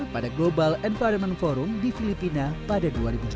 pada global environment forum di filipina pada dua ribu tujuh belas